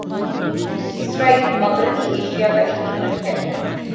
اسرائیل مغربی ایشیا کا ایک ملک ہے